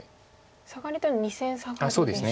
サガリというのは２線サガリですか。